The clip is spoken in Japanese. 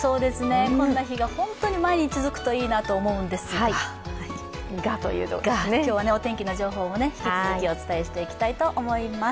こんな日が毎日続くといいなと思うんですが今日はお天気の情報を引き続きお伝えしていきたいと思います。